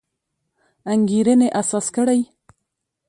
انګېرنې اساس کړی.